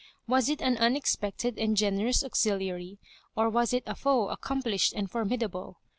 Was it an unexpected and generous auxiliary, or was it a foe accomplished and formi dable?